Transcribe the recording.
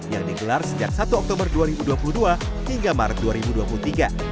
yang digelar sejak satu oktober dua ribu dua puluh dua hingga maret dua ribu dua puluh tiga